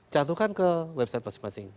jatuhkan ke website masing masing